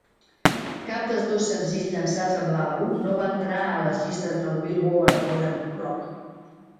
Cap dels dos senzills llançats amb l'àlbum no van entrar a les llistes del "Billboard" Modern Rock.